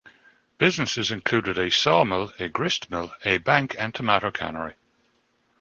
Businesses included a sawmill, a gristmill, a bank and tomato cannery.